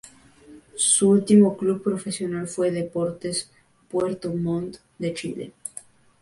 Su último club profesional fue Deportes Puerto Montt de Chile.